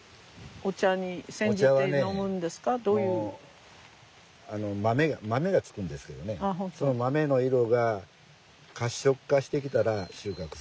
お茶はねあの豆がつくんですけどねその豆の色が褐色化してきたら収穫するんですわ。